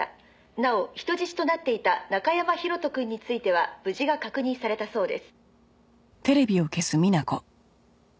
「なお人質となっていた中山広斗くんについては無事が確認されたそうです」